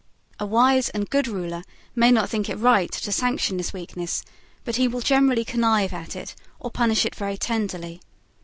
A wise and good ruler may not think it right to sanction this weakness; but he will generally connive at it, or punish it very tenderly.